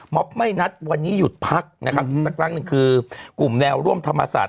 ไม่นัดวันนี้หยุดพักนะครับสักครั้งหนึ่งคือกลุ่มแนวร่วมธรรมศาสตร์